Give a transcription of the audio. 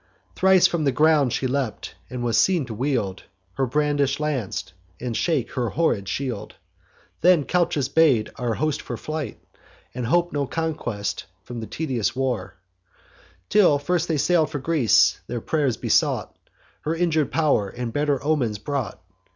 Thrice from the ground she leap'd, was seen to wield Her brandish'd lance, and shake her horrid shield. Then Calchas bade our host for flight And hope no conquest from the tedious war, Till first they sail'd for Greece; with pray'rs besought Her injur'd pow'r, and better omens brought.